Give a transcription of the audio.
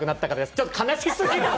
ちょっと悲しすぎる！